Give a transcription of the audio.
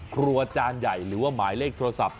ครัวจานใหญ่หรือว่าหมายเลขโทรศัพท์